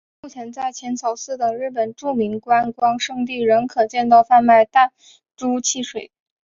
目前在浅草寺等日本著名观光胜地仍可见到贩卖弹珠汽水。